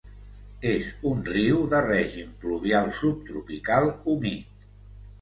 És un riu de règim pluvial subtropical humit.